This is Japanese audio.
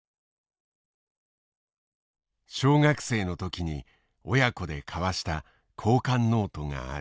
小学生の時に親子で交わした交換ノートがある。